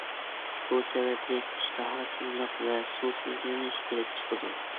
بۇ سەۋەبلىك ئىشتىھاسىزلىق ۋە سۇسىزلىنىش كېلىپ چىقىدۇ.